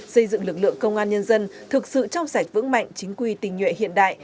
xây dựng lực lượng công an nhân dân thực sự trong sạch vững mạnh chính quy tình nhuệ hiện đại